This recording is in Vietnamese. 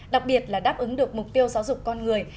đặc biệt là đáp ứng được mục tiêu giáo dục con người